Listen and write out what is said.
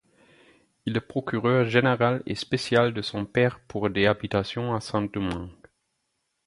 Il est procureur général et spécial de son père pour des habitations à Saint-Domingue.